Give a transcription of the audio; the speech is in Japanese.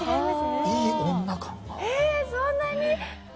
そんなに？